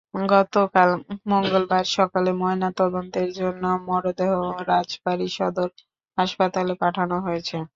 গতকাল মঙ্গলবার সকালে ময়নাতদন্তের জন্য মরদেহ রাজবাড়ী সদর হাসপাতালে পাঠানো হয়েছে।